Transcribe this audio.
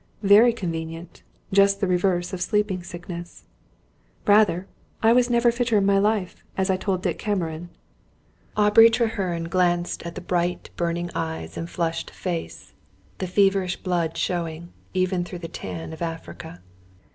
"Very convenient. Just the reverse of the sleeping sickness." "Rather! I was never fitter in my life as I told Dick Cameron." Aubrey Treherne glanced at the bright burning eyes and flushed face the feverish blood showing, even through the tan of Africa.